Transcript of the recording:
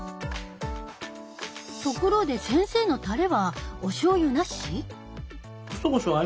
ところで先生のタレはおしょうゆなし？